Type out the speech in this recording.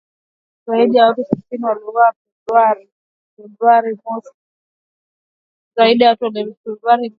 Zaidi ya watu sitini waliuawa hapo Februari mosi